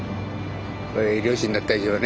漁師になった以上ね